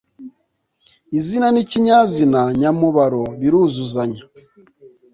izina n’ikinyazina nyamubaro biruzuzanya